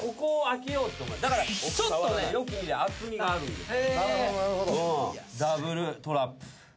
だからちょっとよく見りゃ厚みがあるんですよ。